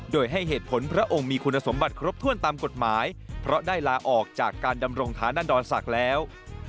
โดยให้เหตุผลพระองค์มีคุณสมบัติครบถ้วนตามกฎหมายเพราะได้ลาออกจากการดำรงฐานดรศักดิ์แล้ว